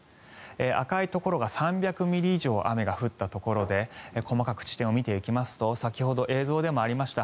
赤いところが３００ミリ以上雨が降ったところで細かく地点を見ていくと先ほど映像でもありました。